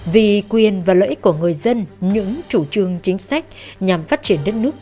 vì quyền và lợi ích của người dân những chủ trương chính sách nhằm phát triển đất nước